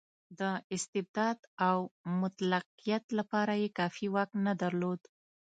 د استبداد او مطلقیت لپاره یې کافي واک نه درلود.